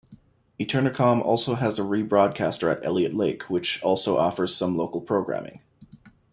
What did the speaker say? Eternacom also has a rebroadcaster at Elliot Lake, which also offers some local programming.